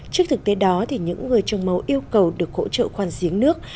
trước thực tế đó những người trồng màu yêu cầu được hỗ trợ khoan giếng nước